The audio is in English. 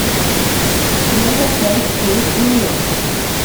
Students attend schools in Wilson.